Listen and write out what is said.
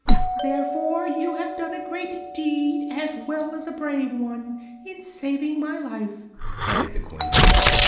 "Therefore you have done a great deed, as well as a brave one, in saving my life," added the Queen.